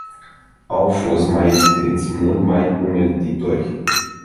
Au fost mult mai isteți, mult mai uneltitori.